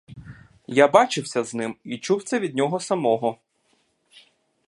Я бачився з ним і чув це від нього самого.